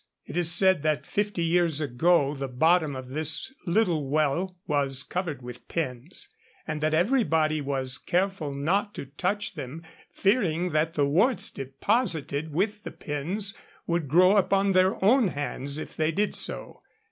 It is said that fifty years ago the bottom of this little well was covered with pins; and that everybody was careful not to touch them, fearing that the warts deposited with the pins would grow upon their own hands if they did so.